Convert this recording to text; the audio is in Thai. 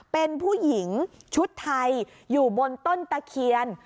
เป็นผู้หญิงชุดไทยอยู่บนต้นตะเคียน